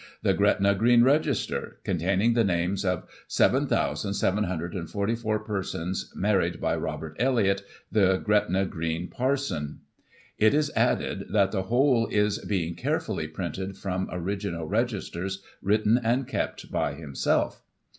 The Gretna Green Register, containing the names of 7,744 persons married by Robert Elliott, the Gretna Green Parson. It is added, that ' the whole is being carefully printed from the original registers, written and kept by himself.